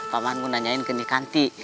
paman mau nanyain ke nikanti